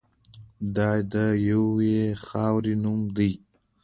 دا د یوې خاورې نومونه دي.